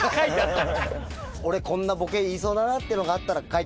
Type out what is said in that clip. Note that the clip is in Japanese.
俺こんなボケ言いそうだなっていうのがあったら。